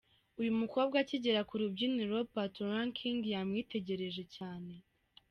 Uyu mukobwa akigera ku rubyiniro Patoranking yamwitegereje cyane.